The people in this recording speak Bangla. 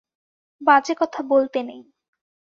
বাজে কথা বলতে নেই।